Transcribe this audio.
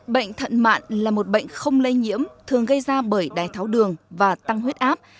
bệnh thận mạn là một bệnh không lây nhiễm thường gây ra bởi đai tháo đường và tăng huyết áp